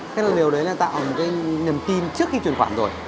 thế là điều đấy là tạo một cái niềm tin trước khi chuyển khoản rồi